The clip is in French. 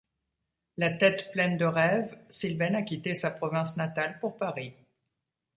La tête pleine de rêves, Sylvaine a quitté sa province natale pour Paris.